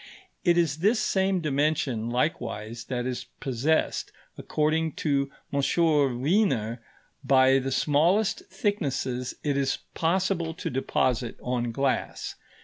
It is this same dimension likewise that is possessed, according to M. Wiener, by the smallest thicknesses it is possible to deposit on glass.